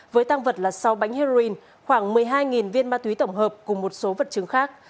với tăng vật là sáu bánh heroin khoảng một mươi hai viên ma túy tổng hợp cùng một số vật chứng khác